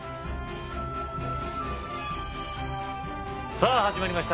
さあ始まりました。